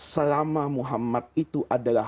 selama muhammad itu adalah